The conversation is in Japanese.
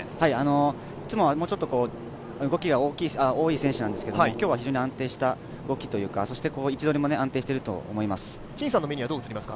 いつもはもうちょっと動きが多い選手なんですけど今日は非常に安定した動きというか、位置取りも安定していると思います。